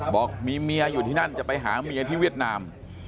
บอกมีเมียอยู่ที่นั่นจะไปหาเมียที่เวียดนาม